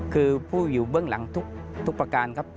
คือผู้อยู่เบื้องหลังทุกประการครับ